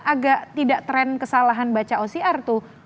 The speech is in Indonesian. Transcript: agak tidak tren kesalahan baca ocr tuh